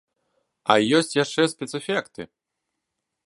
А ёсць яшчэ спецэфекты!